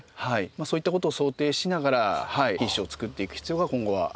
そういったことを想定しながら品種をつくっていく必要が今後はあると思います。